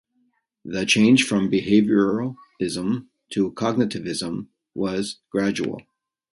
The change from behaviorism to cognitivism was gradual.